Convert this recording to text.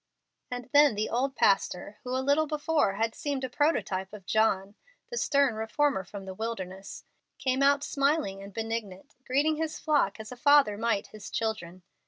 And then the old pastor, who a little before had seemed a prototype of John, the stern reformer from the wilderness, came out smiling and benignant, greeting his flock as a father might his children.